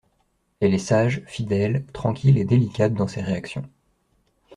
Elle est sage, fidèle, tranquille et délicate dans ses réactions.